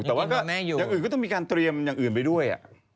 แต่ว่าก็อย่างอื่นก็ต้องมีการเตรียมอย่างอื่นไปด้วย